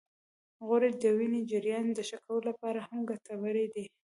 غوړې د وینې د جريان د ښه کولو لپاره هم ګټورې دي.